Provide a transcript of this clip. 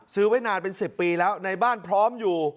ซื้อไว้นานเป็น๑๐ปีแล้วในบ้านพร้อมอยู่